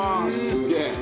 すげえ。